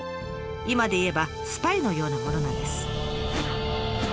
今でいえばスパイのようなものなんです。